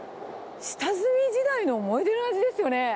下積み時代の思い出の味ですよね？